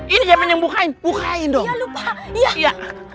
ini siapa yang bukain bukain dong ya lupa ya